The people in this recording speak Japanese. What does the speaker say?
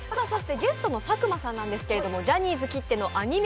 ゲストの佐久間さんなんですけどジャニーズきってのアニメ